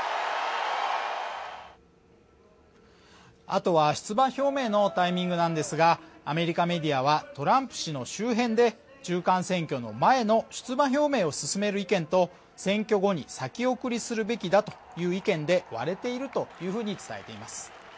あとは出馬表明のタイミングなんですがアメリカメディアはトランプ氏の周辺で中間選挙の前の出馬表明を勧める意見と選挙後に先送りするべきだという意見で割れていると伝えています。